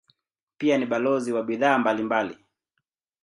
Pia ni balozi wa bidhaa mbalimbali.